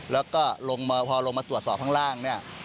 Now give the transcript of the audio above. แล้วก็ลงมาพอลงมาตรวจสอบข้างล่างเนี่ย